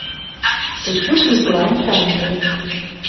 Эчук Миклайын таҥже.